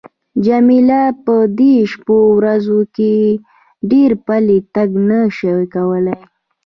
جميله په دې شپو ورځو کې ډېر پلی تګ نه شوای کولای.